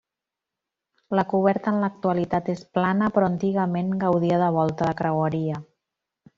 La coberta en l'actualitat és plana però antigament gaudia de volta de creueria.